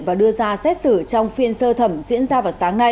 và đưa ra xét xử trong phiên sơ thẩm diễn ra vào sáng nay